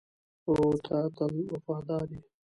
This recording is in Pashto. ورور ته تل وفادار یې.